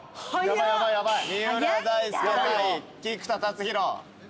三浦大輔対菊田竜大。